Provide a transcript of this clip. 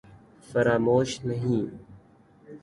فراموش نہیں